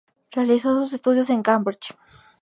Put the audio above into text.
Realizó sus estudios en Cambridge.